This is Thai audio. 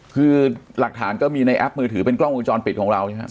คือหลักฐานก็มีในแอปมือถือเป็นกล้องวงจรปิดของเราใช่ไหมครับ